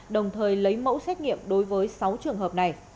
đồng thời lấy mẫu xét nghiệm đối với sáu trường hợp này